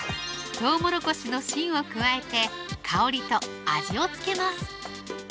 とうもろこしの芯を加えて香りと味をつけます